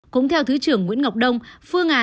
cũng theo thứ trưởng nguyễn ngọc đông